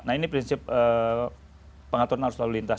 nah ini prinsip pengaturan arus lalu lintas